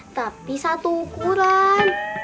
tapi satu ukuran